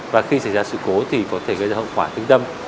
và khi xảy ra sự cố thì có thể gây ra hậu quả thương tâm